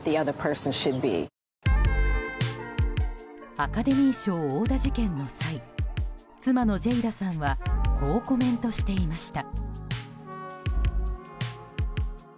アカデミー賞殴打事件の際妻のジェイダさんはこうコメントしていました。